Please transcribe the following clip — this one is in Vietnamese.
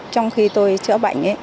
trong khi tôi chữa bệnh